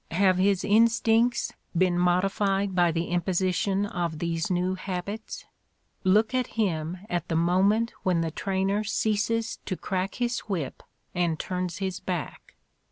Have his instincts been modified by the imposition of these new habits? Look at him at the moment when the trainer ceases to crack his whip and turns his back.